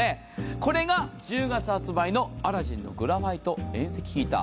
これが１０月発売のアラジンのグラファイト遠赤ヒーター。